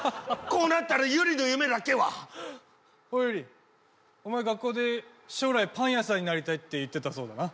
こうなったら友梨の夢だけはおい友梨お前学校で将来パン屋さんになりたいって言ってたそうだな